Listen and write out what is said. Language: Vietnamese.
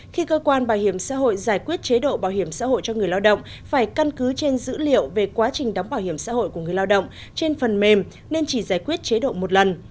khi cơ quan bảo hiểm xã hội giải quyết chế độ bảo hiểm xã hội cho người lao động phải căn cứ trên dữ liệu về quá trình đóng bảo hiểm xã hội của người lao động trên phần mềm nên chỉ giải quyết chế độ một lần